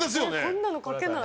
こんなの描けない。